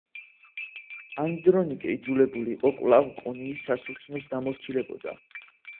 ანდრონიკე იძულებული იყო კვლავ კონიის სასულთნოს დამორჩილებოდა.